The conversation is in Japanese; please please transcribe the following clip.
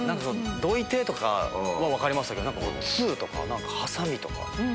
「どいて」とかは分かりましたけどツーとかハサミとか。